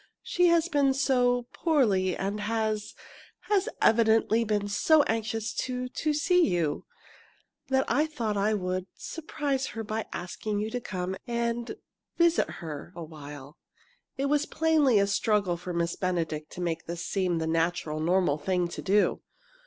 "She has been so poorly, and has has evidently been so anxious to to see you, that I thought I would surprise her by asking you to come and visit her a while." It was plainly a struggle for Miss Benedict to make this seem the natural, normal thing to do.